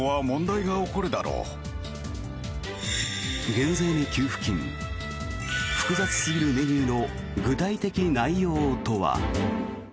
減税に給付金複雑すぎるメニューの具体的内容とは。